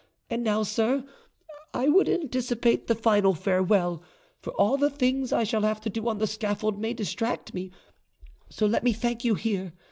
And now, sir, I would anticipate the final farewell,—for all the things I shall have to do on the scaffold may distract me,—so let me thank you here.